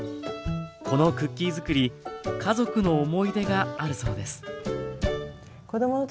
このクッキーづくり家族の思い出があるそうです。